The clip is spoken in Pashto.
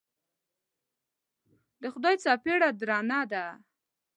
د خدای څپېړه درنه ده.